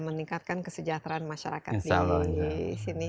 meningkatkan kesejahteraan masyarakat di sini